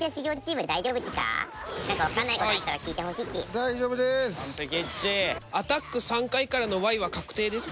大丈夫です。